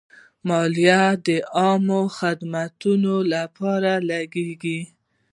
مالیه د عامه خدماتو لپاره لګیږي.